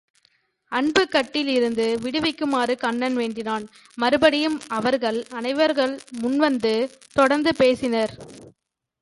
அன்புக் கட்டில் இருந்து விடுவிக்குமாறு கண்ணன் வேண்டினான் மறுபடியும்அவர்கள் அனைவர் முன் வந்து தொடர்ந்து பேசினர்.